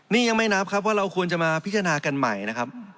นี่ยังไม่นับครับว่าเราควรจะมาพิจารณากันใหม่นะครับ